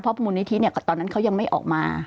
เพราะมุนิธิตอนนั้นเขายังไม่ออกมา